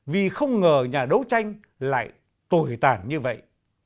vì không ngờ nhà đấu tranh lại tội tản như vậy